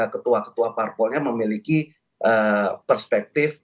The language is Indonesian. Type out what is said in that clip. ketua ketua parpolnya memiliki perspektif